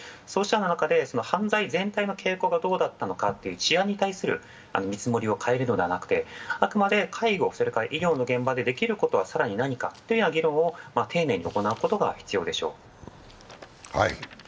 そうした中で犯罪全体の傾向がどうだったのかという治安に対する見積もりを変えるのではなくて、あくまで介護、それから医療の現場でできることは何かということを丁寧に行うことが必要でしょう。